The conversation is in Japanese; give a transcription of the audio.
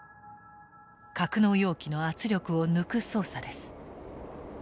格納容器の圧力を抜く操作です。